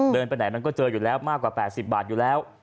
ไปไหนมันก็เจออยู่แล้วมากกว่า๘๐บาทอยู่แล้ว